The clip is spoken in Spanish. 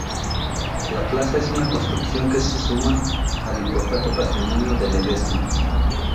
La plaza es una construcción que suma al importante patrimonio de Ledesma.